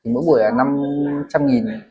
mỗi buổi là năm trăm linh nghìn